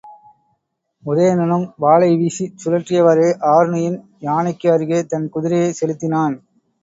உதயணனும் வாளை வீசிச் சுழற்றியவாறே ஆருணியின் யானைக்கு அருகே தன் குதிரையைச் செலுத்தினான்.